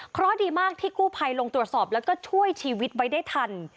เพราะดีมากที่กู้ภัยลงตรวจสอบแล้วก็ช่วยชีวิตไว้ได้ทัน